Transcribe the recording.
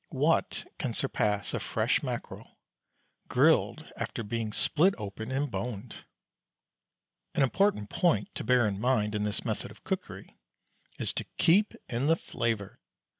What can surpass a fresh mackerel, grilled after being split open and boned? An important point to bear in mind in this method of cookery is, to keep in the flavour.